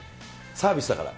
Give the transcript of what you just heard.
サービスだから。